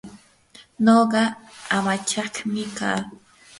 nuqa amachaqmi kaa.